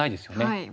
はい。